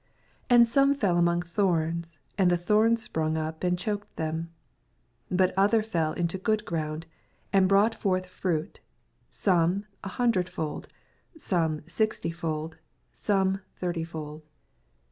7 And some fell among thorns ; and the thorns sprang up, and choked them: 8 But other fell into good ground, and brought forth fruit, some an huniredfold, some sixtyfold, some thirtyfold.